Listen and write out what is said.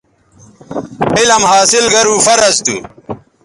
علم حاصل گرو فرض تھو